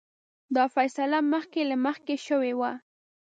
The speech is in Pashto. دا فیصله مخکې له مخکې شوې وه.